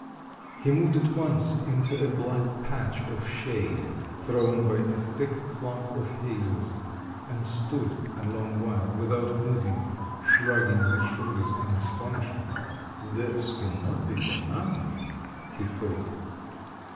He moved at once into a black patch of shade thrown by a thick clump of hazels, and stood a long while without moving, shrugging his shoulders in astonishment. "This cannot be for nothing," he thought.